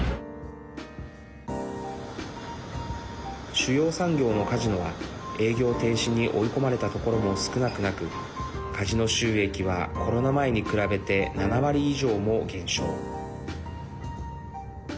主要産業のカジノは営業停止に追い込まれたところも少なくなくカジノ収益は、コロナ前に比べて７割以上も減少。